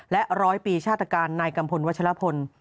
และร้อยปีชาตการนายกัมพลวัชลพล